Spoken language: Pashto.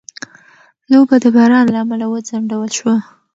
لوبه د باران له امله وځنډول شوه.